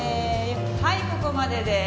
はいここまでです。